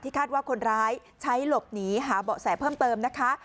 คาดว่าคนร้ายใช้หลบหนีหาเบาะแสเพิ่มเติมนะคะ